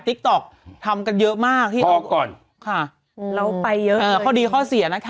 ติ๊กต๊อกทำกันเยอะมากพี่ออกก่อนค่ะอืมแล้วไปเยอะข้อดีข้อเสียนะคะ